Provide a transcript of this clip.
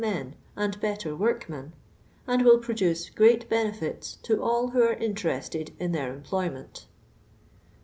ii>e.,i :ii:d M/«r #'»)/ i/m/', and will produce great benefits to all who are interested in their empioyment."